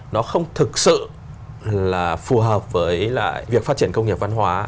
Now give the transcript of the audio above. nó không thực sự là phù hợp với lại việc phát triển công nghiệp văn hóa